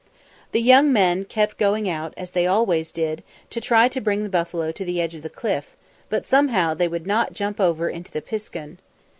The young men kept going out, as they always did, to try to bring the buffalo to the edge of the cliff, but somehow they would not jump over into the piskun.